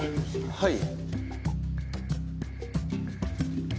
はい。